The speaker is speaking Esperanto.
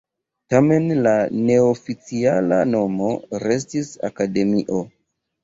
Tamen la neoficiala nomo restis akademio.